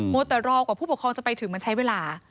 วัวแต่รอกว่าผู้ปกครองจะไปถึงมันใช้เวลา